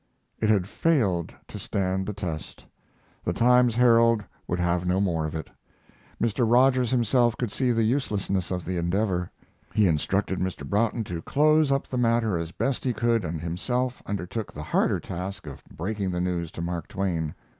It had failed to stand the test. The Times Herald would have no more of it. Mr. Rogers himself could see the uselessness of the endeavor. He instructed Mr. Broughton to close up the matter as best he could and himself undertook the harder task of breaking the news to Mark Twain.